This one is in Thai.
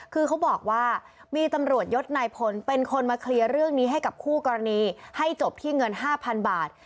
คือเขาบอกว่ามีตำรวจยศนายพลเป็นคนมาเคลียร์เรื่องนี้ให้กับคู่กรณีให้จบที่เงิน๕๐๐๐บาท